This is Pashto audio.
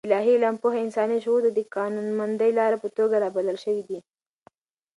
د الاهي علم پوهه انساني شعور ته د قانونمندې لارې په توګه رالېږل شوې.